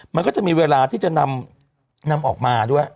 มันก็จะมีเวลาที่จะนำออกมาด้วย